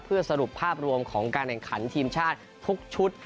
เพื่อสรุปภาพรวมของการแข่งขันทีมชาติทุกชุด